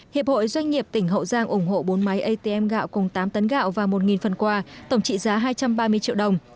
hiệp hội doanh nghiệp tỉnh hậu giang ủng hộ bốn máy atm gạo cùng tám tấn gạo và một phần quà tổng trị giá hai trăm ba mươi triệu đồng